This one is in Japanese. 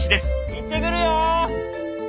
いってくるよ！